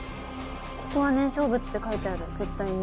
ここは「燃焼物」って書いてある絶対に。